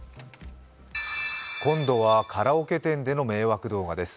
今度はカラオケ店での迷惑動画です。